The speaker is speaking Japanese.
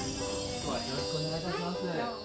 今日はよろしくお願いいたします。